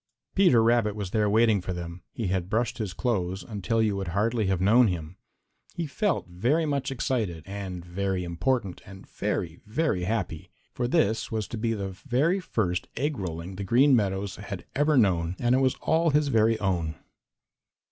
Peter Rabbit was there waiting for them. He had brushed his clothes until you would hardly have known him. He felt very much excited and very important and very, very happy, for this was to be the very first egg rolling the Green Meadows had ever known, and it was all his very own.